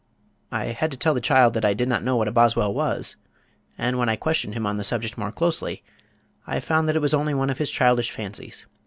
I had to tell the child that I did not know what a boswell was, and when I questioned him on the subject more closely, I found that it was only one of his childish fancies.